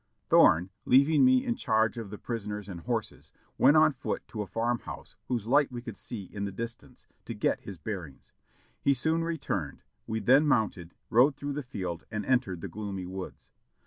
Thorne, leaving me in charge of the prisoners and horses, went on foot to a farm house whose light we could see in the distance, to get his bearings. He soon returned; we then mounted, rode through the field and entered the gloomy woods.